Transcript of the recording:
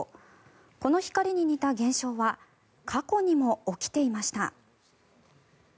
この光に似た現象は過去にも起きていました。